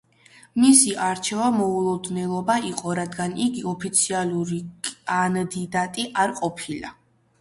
მისი არჩევა მოულოდნელობა იყო, რადგან იგი ოფიციალური კანდიდატი არ ყოფილა.